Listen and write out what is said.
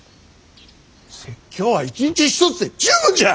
説教は一日一つで十分じゃ！